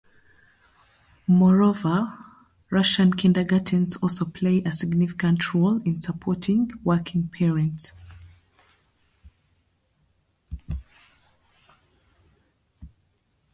Moreover, Russian kindergartens also play a significant role in supporting working parents.